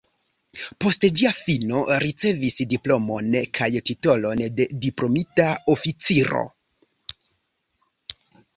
Post ĝia fino ricevis diplomon kaj titolon de diplomita oficiro.